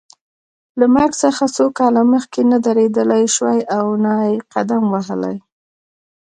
له مرګ څخه څو کاله مخکې نه درېدلای شوای او نه یې قدم وهلای.